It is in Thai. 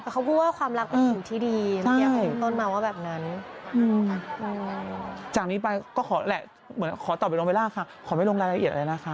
เขาพูดว่าความรักเป็นสิ่งที่ดี